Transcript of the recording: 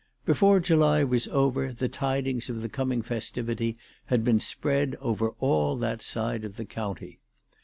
Before July was over the tidings of the coming festivity had been spread over all that side of the county.